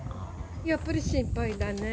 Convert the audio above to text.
やっぱり心配だね。